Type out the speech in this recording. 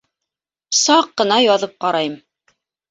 Саҡ ҡына яҙып ҡарайым.